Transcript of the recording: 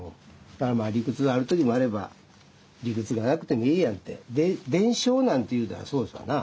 理屈がある時もあれば理屈がなくてもいいやみたいな伝承なんていうのはそうですわな。